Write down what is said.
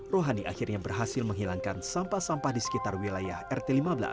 rohani akhirnya berhasil menghilangkan sampah sampah di sekitar wilayah rt lima belas